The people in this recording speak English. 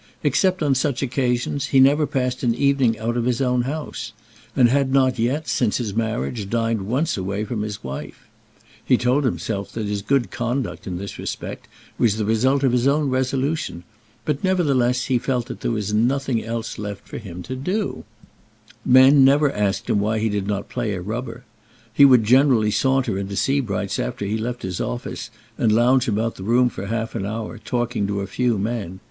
Except on such occasions he never passed an evening out of his own house, and had not yet, since his marriage, dined once away from his wife. He told himself that his good conduct in this respect was the result of his own resolution; but, nevertheless, he felt that there was nothing else left for him to do. Nobody asked him to go to the theatre. Nobody begged him to drop in of an evening. Men never asked him why he did not play a rubber. He would generally saunter into Sebright's after he left his office, and lounge about the room for half an hour, talking to a few men.